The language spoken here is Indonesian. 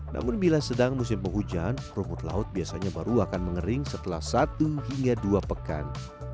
namun bila sedang musim penghujan rumput laut biasanya baru akan mengering setelah satu hingga dua pekan